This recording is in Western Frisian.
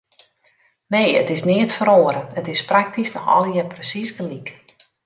Nee, it is neat feroare, it is praktysk noch allegear presiis gelyk.